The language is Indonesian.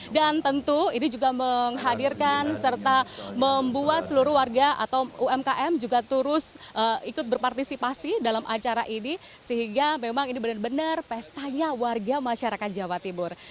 dan tentu ini juga menghadirkan serta membuat seluruh warga atau umkm juga terus ikut berpartisipasi dalam acara ini sehingga memang ini benar benar pestanya warga masyarakat jawa timur